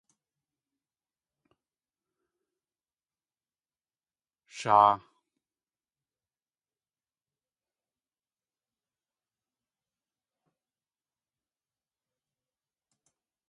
Sháa!